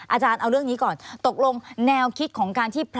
อาจารย์เอาเรื่องนี้ก่อนตกลงแนวคิดของการที่